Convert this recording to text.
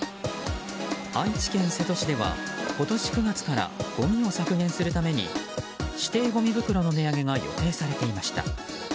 愛知県瀬戸市では今年９月からごみを削減するために指定ごみ袋の値上げが予定されていました。